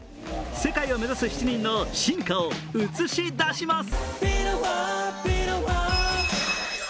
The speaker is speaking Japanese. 世界を目指す７人の進化を映し出します。